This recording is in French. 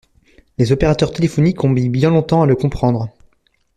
Les opérateurs téléphoniques ont mis bien longtemps à le comprendre.